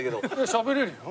しゃべれるよ。